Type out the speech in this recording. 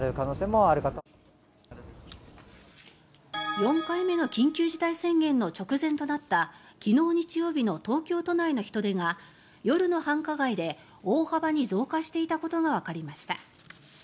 ４回目の緊急事態宣言の直前となった昨日日曜日の東京都内の人出が夜の繁華街で大幅に増加していたことがわかりました。